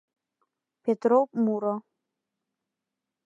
ПЕТРО МУРО.